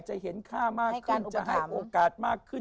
จะเห็นค่ามากขึ้นจะให้โอกาสมากขึ้น